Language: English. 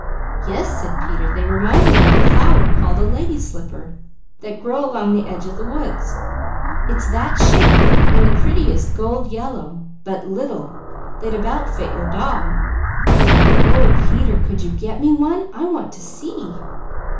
"Yes," said Peter. "They remind me of a flower called 'Lady Slipper,' that grows along the edge of the woods. It's that shape and the prettiest gold yellow, but little, they'd about fit your doll." "Oh Peter, could you get me one? I want to see."